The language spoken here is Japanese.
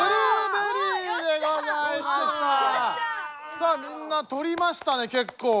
さあみんな取りましたねけっこう。